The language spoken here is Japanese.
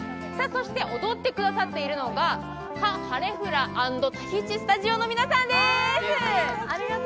踊ってくださっているのがカ・ハレ・フラ＆タヒチ・スタジオの皆さんです。